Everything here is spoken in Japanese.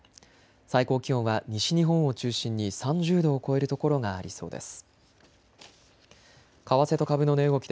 最高気温は西日本を中心に３０度を超える所がありそうです。